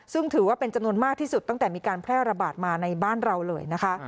ซึ่งถือว่าเป็นจำนวนมากที่สุดตั้งแต่มีการแพร่ระบาดมาในบ้านเราเลยนะคะ